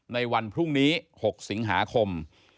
ในวันพรุ่งนี้๖สิงหาคม